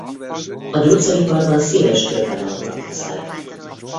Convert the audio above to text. A gyógyszeriparban széles körben alkalmazzák.